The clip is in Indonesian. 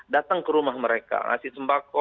datang ke rumah mereka ngasih sembako